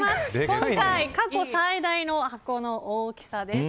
今回過去最大の箱の大きさです。